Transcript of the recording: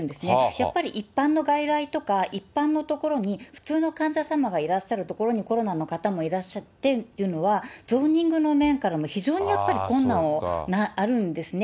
やっぱり一般の外来とか、一般の所に普通の患者様がいらっしゃる所にコロナの方もいらっしゃってっていうのは、ゾーニングの面からも非常にやっぱり困難があるんですね。